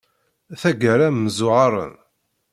Taggara mmzuɣaṛen.